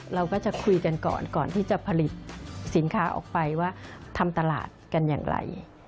เราก็จะคุยกันก่อนก่อนที่จะผลิตสินค้าออกไปว่าทำตลาดกันอย่างไร